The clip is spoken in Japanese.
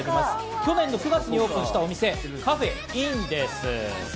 去年９月にオープンしたお店「ＣＡＦＥ！Ｎ」です。